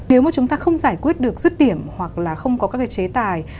nếu mà chúng ta không giải quyết được rứt điểm hoặc là không có các cái chế tài